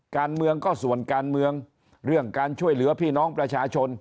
การเมืองก็ส่วนการเมืองเรื่องการช่วยเหลือพี่น้องประชาชน